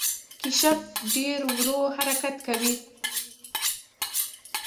کیشپ ډیر ورو حرکت کوي